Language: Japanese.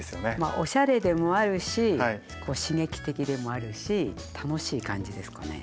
おしゃれでもあるし刺激的でもあるし楽しい感じですかね。